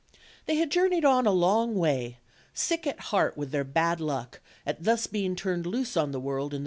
They had journeyed on a long way, sick at heart with their bad luck at thus being turned loose on the world ia 58 OLD OLD FAIR Y TALES.